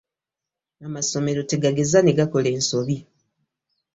Amasomero tegageza ne gakola ensobi.